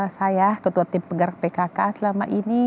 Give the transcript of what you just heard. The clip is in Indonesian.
saya ketua tim penggerak pkk selama ini